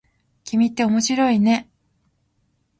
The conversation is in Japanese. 君って面白いね。